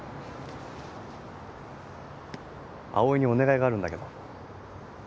葵にお願いがあるんだけど。